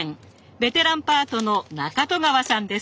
ベテランパートの中戸川さんです。